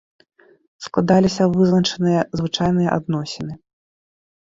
Складаліся вызначаныя звычайныя адносіны.